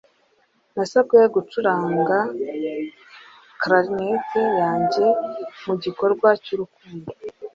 Nasabwe gucuranga Clarinet yanjye mugikorwa cyurukundo.